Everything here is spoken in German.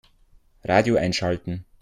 Radio einschalten.